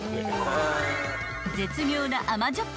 ［絶妙な甘じょっ